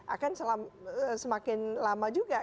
akan semakin lama juga